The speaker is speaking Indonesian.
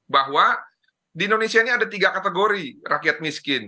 bahwa di indonesia ini ada tiga kategori rakyat miskin